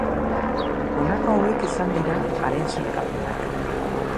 Honako hauek izan dira haren sailkapenak.